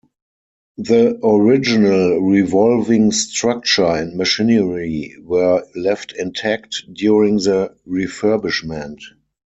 The original revolving structure and machinery were left intact during the refurbishment.